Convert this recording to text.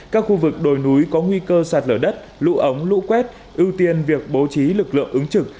các khu vực đồi núi có nguy cơ sạt lở đất lũ ống lũ quét ưu tiên việc bố trí lực lượng ứng trực